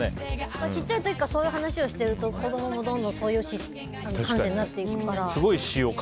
小さい時からそういう話をしてると子供もどんどんそういう感性になっていくから。